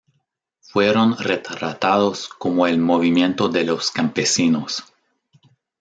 Fueron retratados como el movimiento de los campesinos.